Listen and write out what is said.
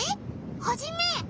ハジメ！